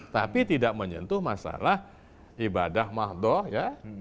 tapi tidak menyentuh masalah ibadah mahdoh ya